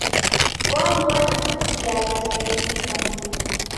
Mboa mboa divikiagha seji dipangie.